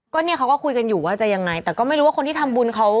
ก็เนี่ยเขาก็คุยกันอยู่ว่าจะยังไงแต่ก็ไม่รู้ว่าคนที่ทำบุญเขา